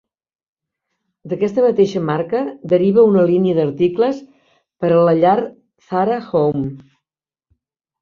D'aquesta mateixa marca deriva una línia d'articles per a la llar Zara Home.